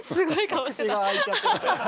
口が開いちゃって。